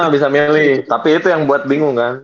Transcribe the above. bisa milih tapi itu yang buat bingung kan